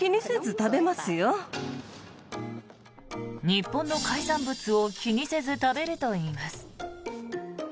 日本の海産物を気にせず食べるといいます。